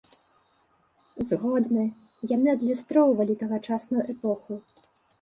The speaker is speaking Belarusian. Згодны, яны адлюстроўвалі тагачасную эпоху.